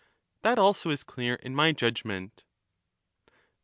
That also is clear in my judgment.